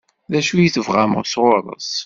D acu i tebɣam sɣur-s?